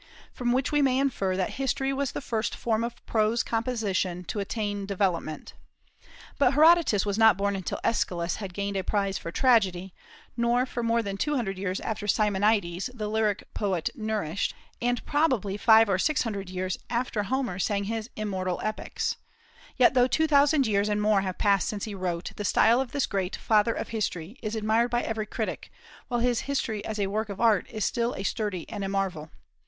from which we may infer that History was the first form of prose composition to attain development. But Herodotus was not born until Aeschylus had gained a prize for tragedy, nor for more than two hundred years after Simonides the lyric poet nourished, and probably five or six hundred years after Homer sang his immortal epics; yet though two thousand years and more have passed since he wrote, the style of this great "Father of History" is admired by every critic, while his history as a work of art is still a study and a marvel.